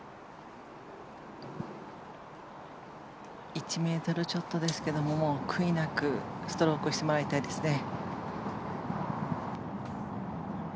１ｍちょっとですがもう悔いなくストロークをしてもらいたいですね。